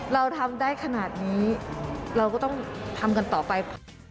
เราทำได้ขนาดนี้เราก็ต้องทำกันต่อไป